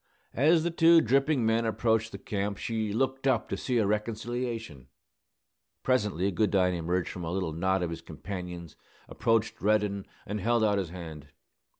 As the two dripping men approached the camp, she looked up to see a reconciliation. Presently Goodine emerged from a little knot of his companions, approached Reddin, and held out his hand.